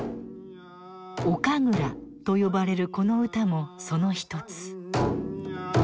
「お神楽」と呼ばれるこの歌もその一つ。